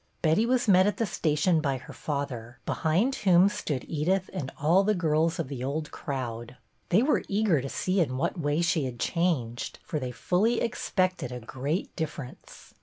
Betty was met at the station by her father, behind whom stood Edith and all the girls of the old crowd. They were eager to see in what way she had changed, for they fully expected a great difference.